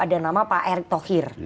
ada nama pak ertokhir